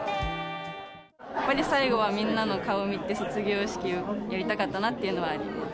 最後はみんなの顔を見て卒業式をやりたかったなっていうのはあります。